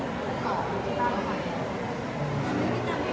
อเรนนี่ว่าที่เต็มประกาศเหมือนกันนะครับ